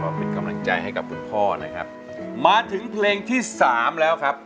เป็นกำลังใจให้กับคุณพ่อนะครับมาถึงเพลงที่สามแล้วครับ